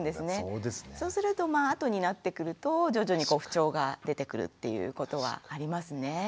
そうするとまあ後になってくると徐々に不調が出てくるっていうことはありますね。